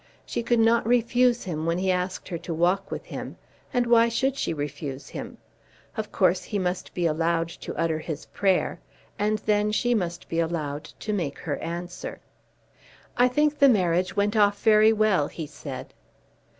She could not refuse him when he asked her to walk with him. And why should she refuse him? Of course he must be allowed to utter his prayer, and then she must be allowed to make her answer. "I think the marriage went off very well," he said.